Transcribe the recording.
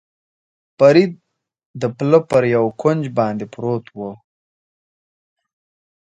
فرید د پله پر یوه کونج باندې پروت و.